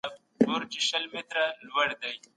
د صابون تولیدات بهرنیو هېوادونو ته هم لېږل کيدل.